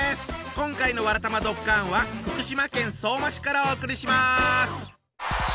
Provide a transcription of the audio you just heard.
今回の「わらたまドッカン」は福島県相馬市からお送りします。